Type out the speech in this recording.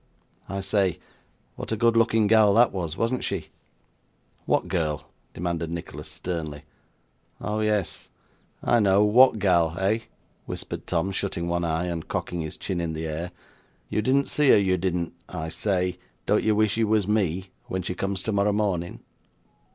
I say, what a good looking gal that was, wasn't she?' 'What girl?' demanded Nicholas, sternly. 'Oh yes. I know what gal, eh?' whispered Tom, shutting one eye, and cocking his chin in the air. 'You didn't see her, you didn't I say, don't you wish you was me, when she comes tomorrow morning?